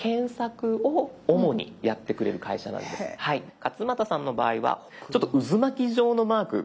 勝俣さんの場合はちょっと渦巻き状のマーク。